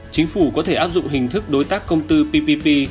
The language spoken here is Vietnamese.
chính phủ có thể áp dụng hình thức đối tác công tư ppp